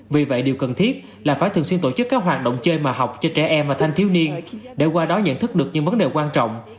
vì vậy điều cần thiết là phải thường xuyên tổ chức các hoạt động chơi mà học cho trẻ em và thanh thiếu niên để qua đó nhận thức được những vấn đề quan trọng